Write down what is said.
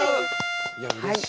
いやうれしい。